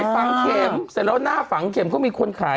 ใส่ฝังเข็มสายแล้วหน้าฝังเข็มเขามีคนขาย